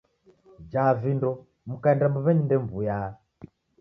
Jaa vindo mukaenda mbuw'enyi ndemw'uya.